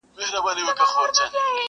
لكه زركي هم طنازي هم ښايستې وې!.